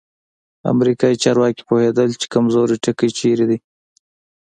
امریکایي چارواکي پوهېدل چې کمزوری ټکی چیرته دی.